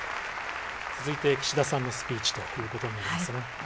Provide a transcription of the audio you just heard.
続いて、岸田さんのスピーチということになりますね。